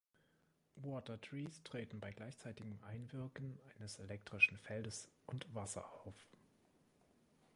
Water Trees treten bei gleichzeitigem Einwirken eines elektrischen Feldes und Wasser auf.